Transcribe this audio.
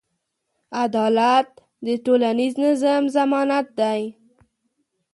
عدالت د ټولنیز نظم ضمانت دی.